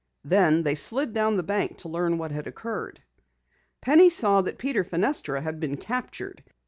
Then they slid down the bank to learn what had occurred. Penny saw that Peter Fenestra had been captured.